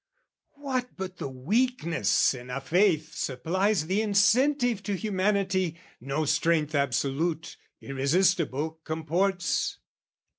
What but the weakness in a faith supplies The incentive to humanity, no strength Absolute, irresistible, comports?